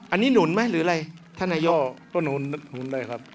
อันนี้หนุนไหมหรืออะไรท่านนายกต้นหนุนหนุนอะไรครับ